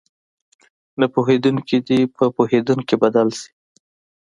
نه پوهېدونکي دې په پوهېدونکي بدل شي.